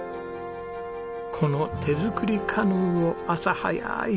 この手作りカヌーを朝早い湖でこぐ。